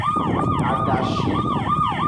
Adashi.